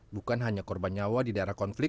bukan hanya korban nyawa di daerah konflik